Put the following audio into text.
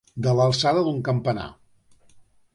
De l'alçada d'un campanar.